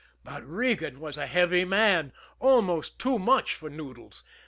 But Regan was a heavy man almost too much for Noodles.